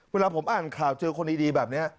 เวลาผมอ่านข่าวเจอคนดีแบบนี้